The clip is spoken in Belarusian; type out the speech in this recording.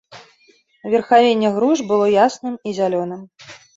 Верхавінне груш было ясным і зялёным.